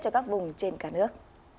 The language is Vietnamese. cho các vùng trên cả nước